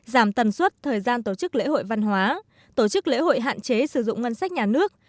giảm tần suất thời gian tổ chức lễ hội văn hóa tổ chức lễ hội hạn chế sử dụng ngân sách nhà nước